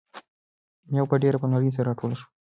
میوه په ډیرې پاملرنې سره راټوله شوه.